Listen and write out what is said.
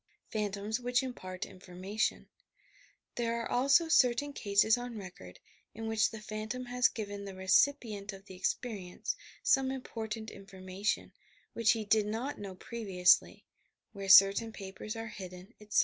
PHANTOMS WHICH IMPAKT INFORMATION There are also certain cases on record in which the phantom has given the recipient of the experience some important information, which he did not know previously — where certain papers are hidden, etc.